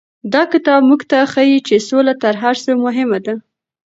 دا کتاب موږ ته ښيي چې سوله تر هر څه مهمه ده.